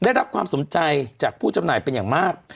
ได้รับความสนใจจากผู้จำหน่ายเป็นอย่างมาก